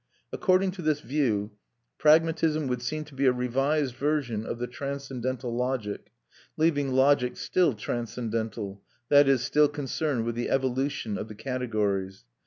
According to this view, pragmatism would seem to be a revised version of the transcendental logic, leaving logic still transcendental, that is, still concerned with the evolution of the categories.